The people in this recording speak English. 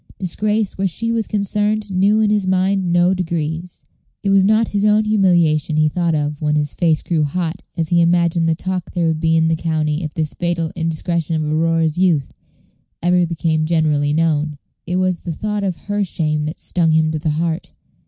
Disgrace where she was concerned knew in his mind no degrees. It was not his own humiliation he thought of when his face grew hot as he imagined the talk there would be in the county if this fatal indiscretion of Aurora's youth ever became generally known; it was the thought of her shame that stung him to the heart.